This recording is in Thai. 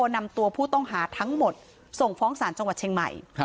นำตัวผู้ต้องหาทั้งหมดส่งฟ้องศาลจังหวัดเชียงใหม่